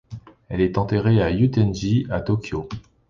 Elle est enterrée au Yūten-ji à Tokyo.